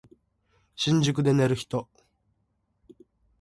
新宿で寝る人